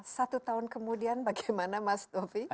satu tahun kemudian bagaimana mas novi